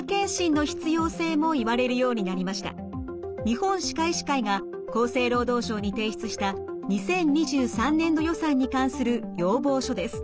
日本歯科医師会が厚生労働省に提出した２０２３年度予算に関する要望書です。